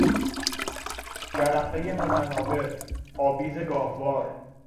جرقهی متناوب، آبیز گاهوار